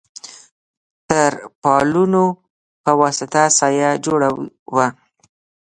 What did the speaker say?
تر پالونو په واسطه سایه جوړه وه.